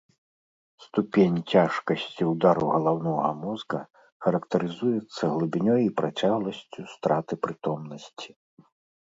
Ступень цяжкасці ўдару галаўнога мозга характарызуецца глыбінёй і працягласцю страты прытомнасці.